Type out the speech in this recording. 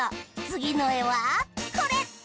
つぎのえはこれ！